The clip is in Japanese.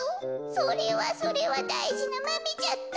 それはそれはだいじなマメじゃった。